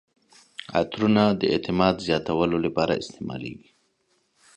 عطرونه د اعتماد زیاتولو لپاره استعمالیږي.